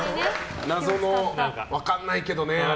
謎の、分かんないけどね。